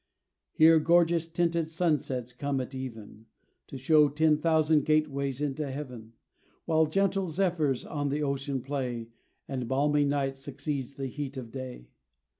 Here gorgeous tinted sunsets come at even, To show ten thousand gateways into Heaven While gentle zephyrs on the ocean play, And balmy night succeeds the heat of day.